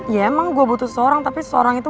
ya emang gue butuh seseorang tapi seseorang itu